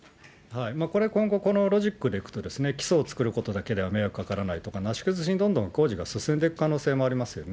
これ、今後、このロジックでいくと、基礎を作ることだけでは迷惑かからないとか、なし崩し的にどんどん工事が進んでいく可能